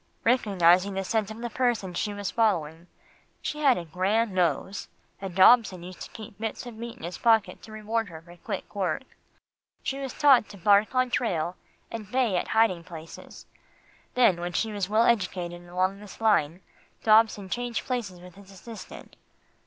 "Recognising the scent of the person she was following she had a grand nose, and Dobson used to keep bits of meat in his pocket to reward her for quick work. She was taught to bark on trail, and bay at hiding places. Then when she was well educated along this line, Dobson changed places with his assistant."